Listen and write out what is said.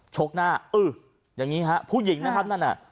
ชกหน้าอื้ออย่างนี้ฮะผู้หญิงนั่นน่ะ